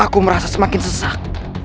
aku merasa semakin sesak